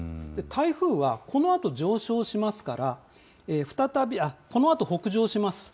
台風はこのあと上昇しますから、このあと北上します。